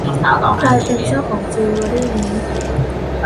ใครเป็นเจ้าของจิวเวอรี่นี้ ?